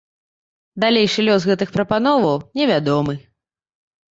Далейшы лёс гэтых прапановаў невядомы.